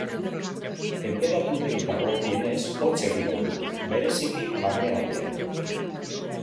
Tenperaturei dagokienez, hotz egingo du, bereziki barnealdean.